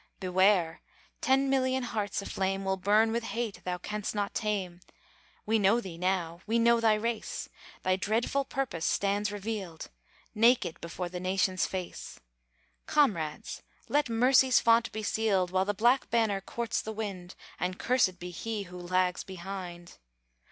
Beware! ten million hearts aflame Will burn with hate thou canst not tame! We know thee now! we know thy race! Thy dreadful purpose stands revealed Naked, before the nation's face! Comrades! let Mercy's font be sealed, While the black banner courts the wind, And cursed be he who lags behind!